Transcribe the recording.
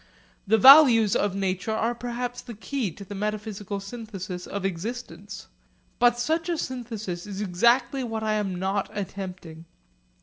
The values of nature are perhaps the key to the metaphysical synthesis of existence. But such a synthesis is exactly what I am not attempting.